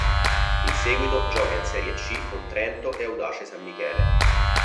In seguito gioca in Serie C con Trento e Audace San Michele.